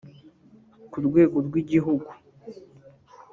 Ku rwego rw’Igihugu